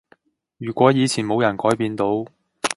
如果以前冇人改變到